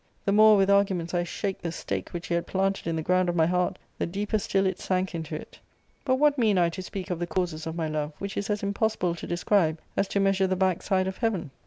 ^ The more with arguments I shaked the stake which he had planted in the ground of my heart, the deeper still it sank into it. But what mean I to speak of the causes of my love, which is as impossible to describe as to measure the backside of heaven